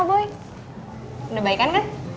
udah baik kan